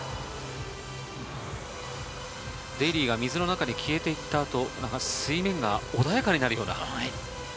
デーリーが水の中で消えていった後、水面が穏やかになるような。